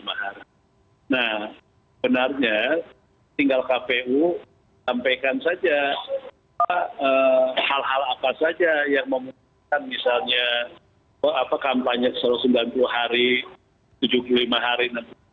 nah benarnya tinggal kpu sampaikan saja hal hal apa saja yang memungkinkan misalnya kampanye satu ratus sembilan puluh hari tujuh puluh lima hari nanti